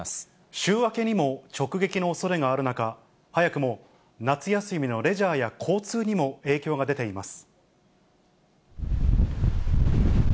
週明けにも直撃のおそれがある中、早くも夏休みのレジャーや交通にも影響が出ています。